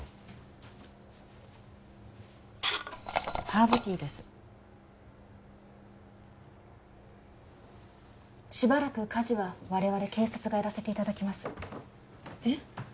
ハーブティーですしばらく家事は我々警察がやらせていただきますえっ？